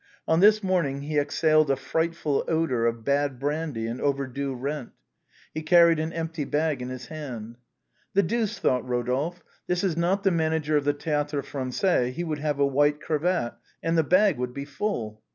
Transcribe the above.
On this morning he exhaled a frightful odor of bad brandy and over due rent. He carried an empty bag in his hand. " The deuce," thought Eodolphe, " this is not the mana ger of the Théâtre Français, he would have a white cravat and the bag would be full."